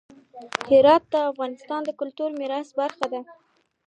هرات د افغانستان د کلتوري میراث برخه ده.